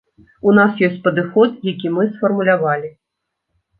У нас ёсць падыход, які мы сфармулявалі.